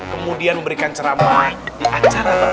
kemudian memberikan seramah acara bapak